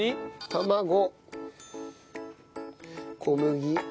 卵小麦。